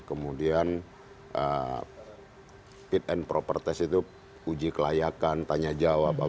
kemudian fit and proper test itu uji kelayakan tanya jawab